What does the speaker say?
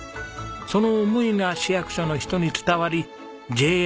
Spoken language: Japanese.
その思いが市役所の人に伝わりＪＲ